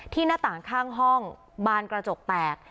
หน้าต่างข้างห้องบานกระจกแตก